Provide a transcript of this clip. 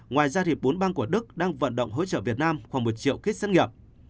ngoài ra bốn bang của đức đang vận động hỗ trợ việt nam khoảng một triệu kit sát nghiệp